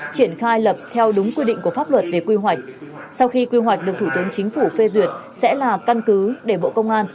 triển khai lập theo đúng quy định của pháp luật về quy hoạch sau khi quy hoạch được thủ tướng chính phủ phê duyệt sẽ là căn cứ để bộ công an